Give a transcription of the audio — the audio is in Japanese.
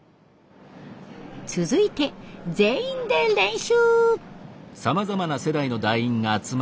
続いて全員で練習。